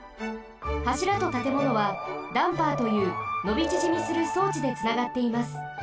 はしらとたてものはダンパーというのびちぢみするそうちでつながっています。